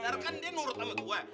benar kan dia nurut sama gue